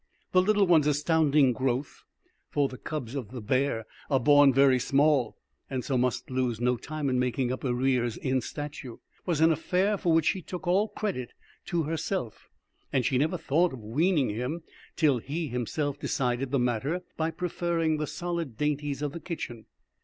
The little one's astounding growth for the cubs of the bear are born very small, and so must lose no time in making up arrears of stature was an affair for which she took all credit to herself; and she never thought of weaning him till he himself decided the matter by preferring the solid dainties of the kitchen.